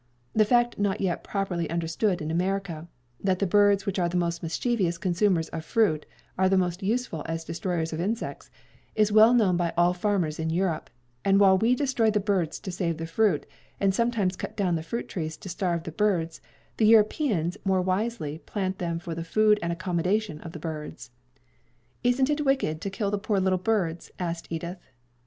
The fact not yet properly understood in America that the birds which are the most mischievous consumers of fruit are the most useful as destroyers of insects is well known by all farmers in Europe; and while we destroy the birds to save the fruit, and sometimes cut down the fruit trees to starve the birds, the Europeans more wisely plant them for the food and accommodation of the birds." "Isn't it wicked to kill the poor little birds?" asked Edith.